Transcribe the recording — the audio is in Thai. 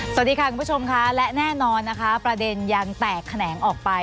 สวัสดีค่ะคุณผู้ชมค่ะและแน่นอนนะคะประเด็นยังแตกแขนงออกไป